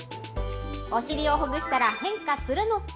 お尻をほぐしたら、変化するのか。